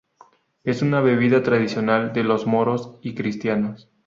Es una bebida tradicional de los moros y cristianos.